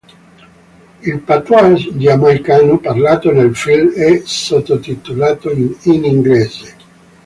Il Patois giamaicano parlato nel film è sottotitolato in inglese.